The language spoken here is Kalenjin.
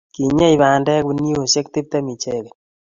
kinyei bandek guniaisiek tiptem ichekei